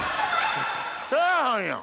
チャーハンやん。